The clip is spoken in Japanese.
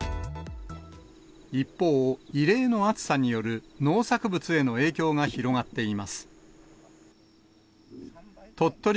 一方、異例の暑さによる農作物への影響が広がっています。